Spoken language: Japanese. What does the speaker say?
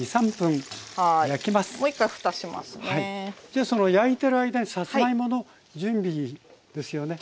じゃあその焼いてる間にさつまいもの準備ですよね。